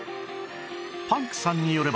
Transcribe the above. パンクさんによれば